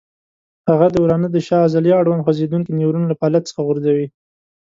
هغه د ورانه د شا عضلې اړوند خوځېدونکی نیورون له فعالیت څخه غورځوي.